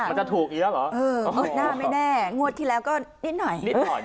มันจะถูกเยอะหรอน่าไม่แน่งวดที่แล้วก็นิดหน่อย